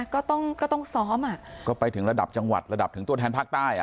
ก็ต้องก็ต้องซ้อมอ่ะก็ไปถึงระดับจังหวัดระดับถึงตัวแทนภาคใต้อ่ะ